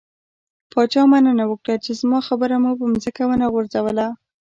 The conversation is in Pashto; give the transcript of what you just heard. پاچا مننه وکړه، چې زما خبره مو په ځمکه ونه غورځوله.